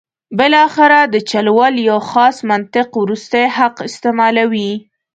بالاخره د چل ول یو خاص منطق وروستی حق استعمالوي.